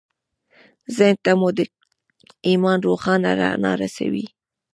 ذهن ته مو د ایمان روښانه رڼا ورسوئ